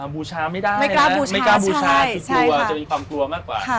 บูชาไม่ได้นะไม่กล้าบูชาคือกลัวจะมีความกลัวมากกว่า